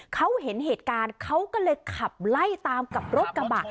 เขาเห็นเหตุการณ์เขาก็เลยขับไล่ตามกับรถกระบะ